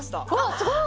すごい。